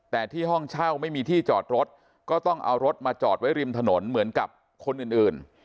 แต่ที่ห้องเช่าไม่มีที่จอดรถก็ต้องเอารถมาจอดไว้ริมถนนเหมือนกับคนอื่น